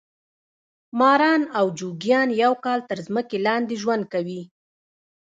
ماران او جوګیان یو کال تر مځکې لاندې ژوند کوي.